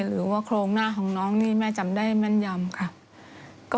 หรือว่าโครงหน้าของน้องนี่แม่จำได้แม่นยำค่ะ